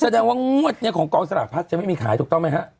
แสดงว่างวดนี้ของกองสลากพัดจะไม่มีขายถูกต้องไหมฮะ